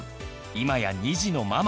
今や２児のママ！